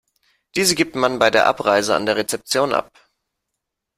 Diese gibt man bei der Abreise an der Rezeption ab.